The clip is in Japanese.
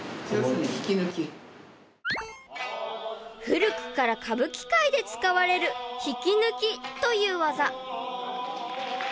［古くから歌舞伎界で使われる引き抜きという技］